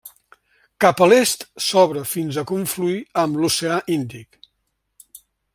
Cap a l'est s'obre fins a confluir amb l'oceà Índic.